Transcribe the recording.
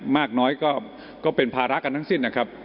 มากน้อยก็เป็นภาระกันทั้งสิ้นนะครับ